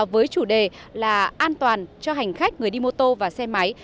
với chủ đề là an toàn cho hành khách người đi mô tô và xe máy